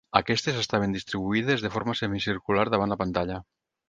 Aquestes estaven distribuïdes de forma semicircular davant la pantalla.